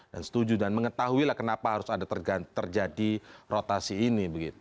dan setuju dan mengetahui lah kenapa harus ada terjadi rotasi ini begitu